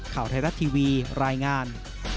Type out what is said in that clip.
ข่าวไทยรัฐทีวีรายงาน